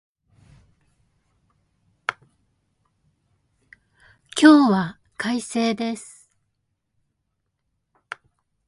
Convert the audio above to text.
今日は快晴です